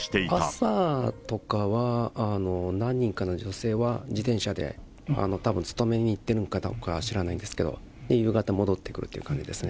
朝とかは何人かの女性は自転車でたぶん、勤めに行ってるのかどうか知らないんですけど、夕方戻ってくるって感じですね。